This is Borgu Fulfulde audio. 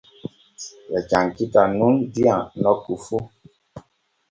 Ɓe cankitan nun diyam nokku fu.